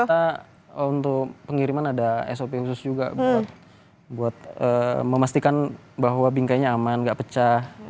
kita untuk pengiriman ada sop khusus juga buat memastikan bahwa bingkainya aman gak pecah